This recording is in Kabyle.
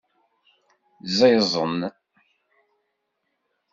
Ẓiẓen.